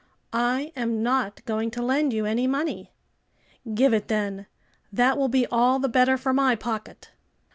"I am not going to lend you any money." "Give it then; that will be all the better for my pocket.